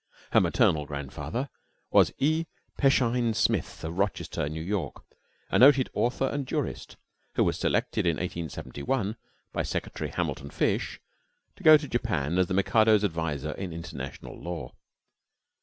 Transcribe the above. Her maternal grandfather was E. Peshine Smith of Rochester, N. Y., a noted author and jurist, who was selected in 1871 by Secretary Hamilton Fish to go to Japan as the Mikado's adviser in international law.